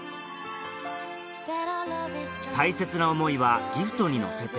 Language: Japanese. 大切な思いはギフトに乗せて